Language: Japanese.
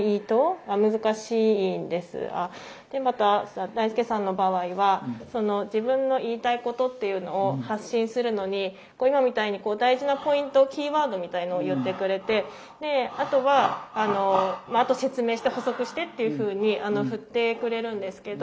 天畠大輔さんの場合はその自分の言いたいことっていうのを発信するのに今みたいに大事なポイントキーワードみたいのを言ってくれてであとは「あと説明して補足して」っていうふうに振ってくれるんですけど。